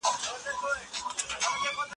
تاسي ولي د نورو خلکو مننه نه منئ؟